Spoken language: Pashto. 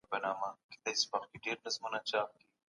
څېړونکي د شاعرانو د اثارو تاریخي جاج اخلي.